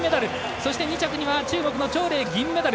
そして２着には中国の張麗、銀メダル。